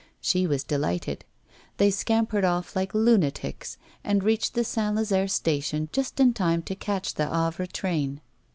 She was delighted; they scampered off like lunatics, and reached the St. Lazare Station just in time to catch the Havre train.